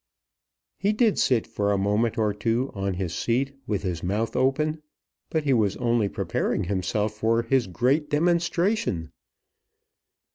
He did sit for a moment or two on his seat with his mouth open; but he was only preparing himself for his great demonstration.